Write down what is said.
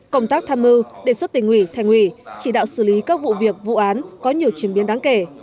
công tác tham mưu đề xuất tỉnh ủy thành ủy chỉ đạo xử lý các vụ việc vụ án có nhiều chuyển biến đáng kể